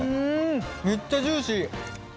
めっちゃジューシー。